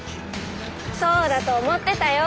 そうだと思ってたよ。